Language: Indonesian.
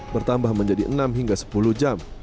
bertambah menjadi enam hingga sepuluh jam